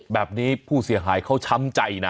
แบบนี้ผู้เสียหายเขาช้ำใจนะ